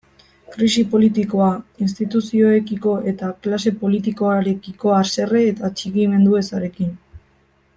Krisi politikoa, instituzioekiko eta klase politikoarekiko haserre eta atxikimendu ezarekin.